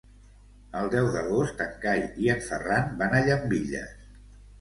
El deu d'agost en Cai i en Ferran van a Llambilles.